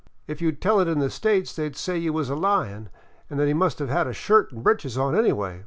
If you'd tell it in the States, they'd say you was lyin' and that he must have had a shirt an' britches on anyway.